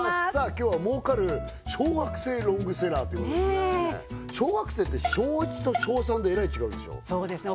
今日は儲かる小学生ロングセラーということですね小学生って小１と小３でえらい違うでしょそうですね